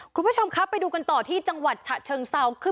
คุณผู้ชมครับไปดูกันต่อที่จังหวัดฉะเชิงเซา